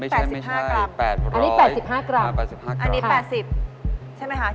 ไม่ใช่ไม่ใช่แปดร้อยอันนี้แปดสิบห้ากรัมอันนี้แปดสิบใช่ไหมคะ